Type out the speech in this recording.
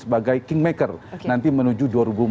sebagai kingmaker nanti menuju dua ribu empat puluh